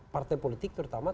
partai politik terutama